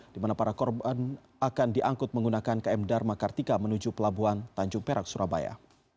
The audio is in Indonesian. di mana para korban akan diangkut menggunakan km dharma kartika menuju pelabuhan tanjung perak surabaya